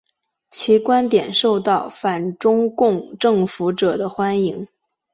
其观点受到反中共政府者的欢迎。